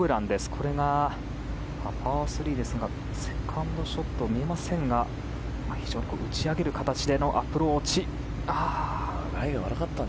これがパー３ですがセカンドショット見えませんが非常に打ち上げる形でのアプローチでした。